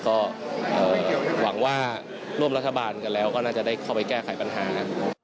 ก็หวังว่าร่วมรัฐบาลกันแล้วก็น่าจะได้เข้าไปแก้ไขปัญหา